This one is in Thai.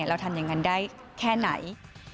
เราทำอย่างนั้นได้แค่ไหน